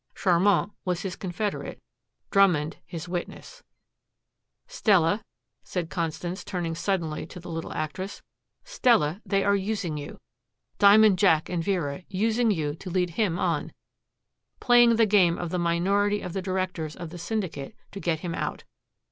Charmant was his confederate, Drummond his witness. "Stella," said Constance, turning suddenly to the little actress, "Stella, they are using you, 'Diamond Jack' and Vera, using you to lead him on, playing the game of the minority of the directors of the Syndicate to get him out.